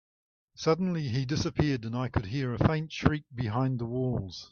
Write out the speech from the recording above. Suddenly, he disappeared, and I could hear a faint shriek behind the walls.